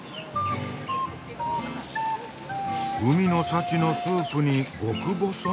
海の幸のスープに極細の麺。